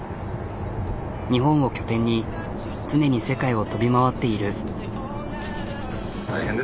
日本を拠点に常に世界を飛び回っている。